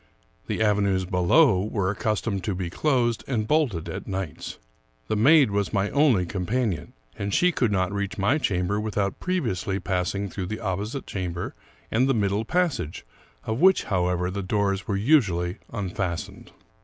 The avenues below were accustomed to be closed and bolted at nights. The maid was my only companion; and she could not reach my chamber without previously passing through the opposite chamber and the middle passage, of which, how ever, the doors were usually unfastened.